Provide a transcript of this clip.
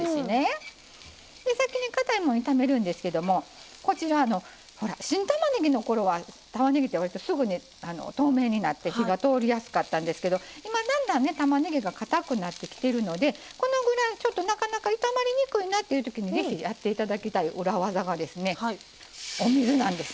先にかたいもの炒めるんですけどもこちらほら新たまねぎの頃はたまねぎってわりとすぐに透明になって火が通りやすかったんですけど今だんだんねたまねぎがかたくなってきてるのでこのぐらいちょっとなかなか炒まりにくいなっていうときにぜひやって頂きたい裏技がですねお水なんです。